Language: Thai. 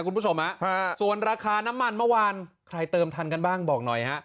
คุณผู้ชมฮะส่วนราคาน้ำมันเมื่อวานใครเติมทันกันบ้างบอกหน่อยฮะ